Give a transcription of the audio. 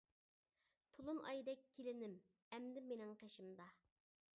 تولۇن ئايدەك كېلىنىم، ئەمدى مىنىڭ قېشىمدا.